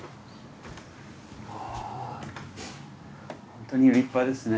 本当に立派ですね。